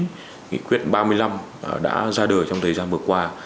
có nhiều các nghị quyết một mươi chín nghị quyết ba mươi năm đã ra đời trong thời gian vừa qua